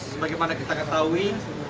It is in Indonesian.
sebagaimana kita ketahui